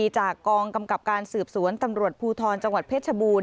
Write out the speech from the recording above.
จากกองกำกับการสืบสวนตำรวจภูทรจังหวัดเพชรบูรณ